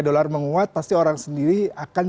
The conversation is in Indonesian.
dolar menguat pasti orang sendiri akan